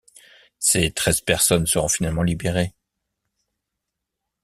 Ces treize personnes seront finalement libérées.